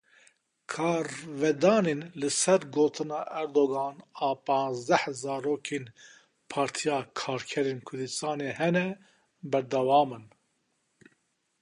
Karvedanên li ser gotina Erdogan a panzdeh zarokên Partiya Karkerên Kurdistanê hene, berdewam in.